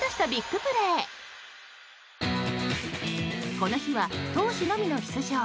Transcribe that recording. この日は投手のみの出場。